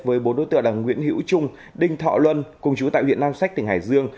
với bốn đối tượng là nguyễn hữu trung đinh thọ luân cùng chú tại huyện nam sách tỉnh hải dương